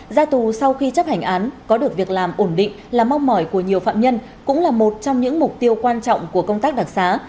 ra tù sau khi chấp hành án có được việc làm ổn định là mong mỏi của nhiều phạm nhân cũng là một trong những mục tiêu quan trọng của công tác đặc xá